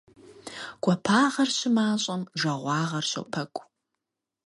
Гуапагъэр щымащӀэм жагъуагъэр щопэкӀу.